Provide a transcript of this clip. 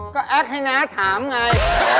ก็แอคให้น้าถามไง